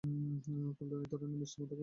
ফুলে একধরনের মিষ্টি মাদকতাময় গন্ধ আছে।